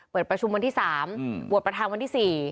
เปิดประชุมวันที่สามอืมโหวดประธานวันที่สี่